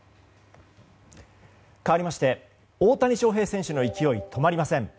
かわりまして大谷翔平選手の勢い止まりません。